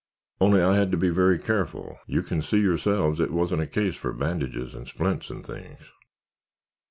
Only I had to be very careful. You can see yourselves it wasn't a case for bandages and splints and things."